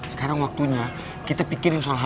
sekarang waktunya kita pikirin soal